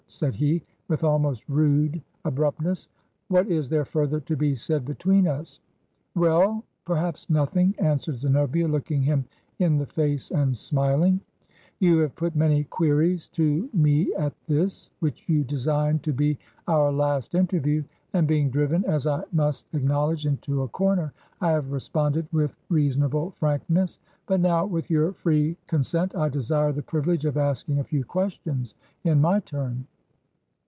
said he, with almost rude abruptness. 'What is there further to be said between us?' 'WeU, perhaps nothing,' answered Zenobia, looking him in the face, and smiling. ... 'You i8o Digitized by VjOOQIC HAWTHORNE*S ZENOBIA AND PRISCILLA have put many queries to me at this, which you design to be our last, interview; and being driven, as I must acknowledge, into a comer, I have responded with reasonable frankness. But, now, with your free con sent, I desire the privilege of asking a few questions, in my turn.'